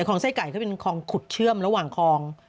คลองไส้ไก่เขาเป็นคลองขุดเชื่อมระหว่างคลอง